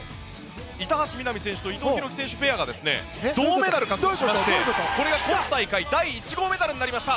板橋美波選手と伊藤洸輝選手が銅メダルを獲得しましてこれが今大会第１号メダルになりました。